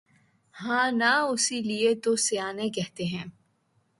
ہاں نا اسی لئے تو سیانے کہتے ہیں